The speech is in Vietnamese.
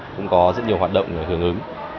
cũng có rất nhiều hoạt động hưởng ứng